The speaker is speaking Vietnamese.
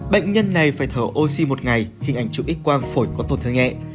bệnh nhân này phải thở oxy một ngày hình ảnh trụ ích quang phổi có tổn thương nhẹ